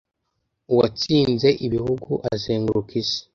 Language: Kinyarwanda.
Uwatsinze ibihugu, azenguruka isi,